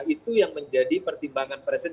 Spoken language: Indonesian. itu yang menjadi pertimbangan presiden